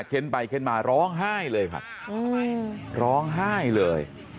เค้นไปเค้นมาร้องไห้เลยครับร้องไห้เลย